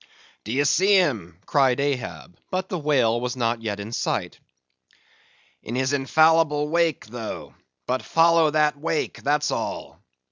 "D'ye see him?" cried Ahab; but the whale was not yet in sight. "In his infallible wake, though; but follow that wake, that's all.